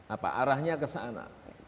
apa arahnya ke sana